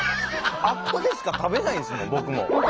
あっこでしか食べないんですもん